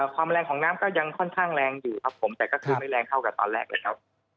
ความแรงของน้ำก็ยังค่อนข้างแรงอยู่ครับผมแต่ก็คือไม่แรงเท่ากับตอนแรกเลยครับ